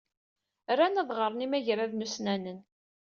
Ran ad ɣren imagraden ussnanen.